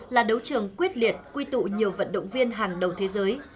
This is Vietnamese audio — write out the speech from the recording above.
là đấu trường quyết liệt quy tụ nhiều vận động viên hàng đầu thế giới